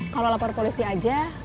kalau laporan polisi aja